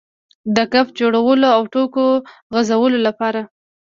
د ګپ جوړولو او ټوکو غځولو لپاره.